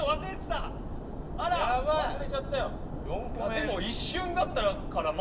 でも一瞬だったから。